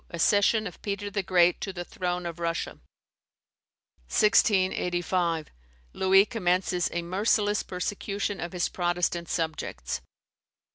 Accession of Peter the Great to the throne of Russia. 1685. Louis commences a merciless persecution of his Protestant subjects.